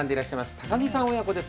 高木さん親子です。